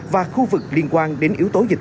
và khu vực liên quan đến yếu tố nguy cơ